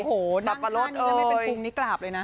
โอ้โหนั่งหน้านี้ก็ไม่เป็นภูมินิกราบเลยนะ